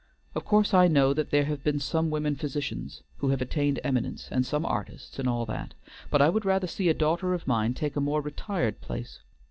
Of course I know that there have been some women physicians who have attained eminence, and some artists, and all that. But I would rather see a daughter of mine take a more retired place.